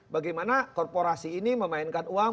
bagaimana korporasi ini memainkan uang